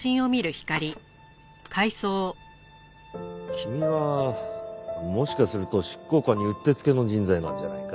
君はもしかすると執行官にうってつけの人材なんじゃないか？